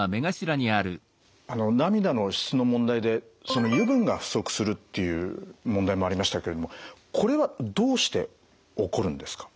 あの涙の質の問題で油分が不足するっていう問題もありましたけれどもこれはどうして起こるんですか？